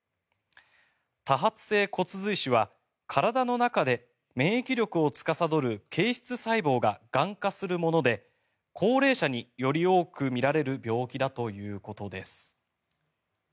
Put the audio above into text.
多発性骨髄腫は体の中で免疫力をつかさどる形質細胞ががん化するもので高齢者により多く見られる病気だということです。